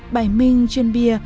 bài minh trên bia